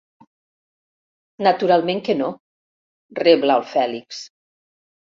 Naturalment que no —rebla el Fèlix—.